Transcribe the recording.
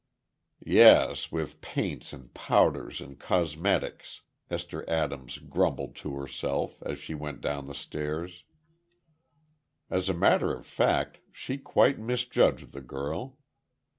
"Yes, with paints and powders and cosmetics!" Esther Adams grumbled to herself, as she went down the stairs. As a matter of fact she quite misjudged the girl.